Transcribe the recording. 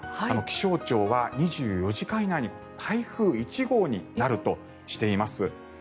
気象庁は２４時間以内に台風１号になるとしています。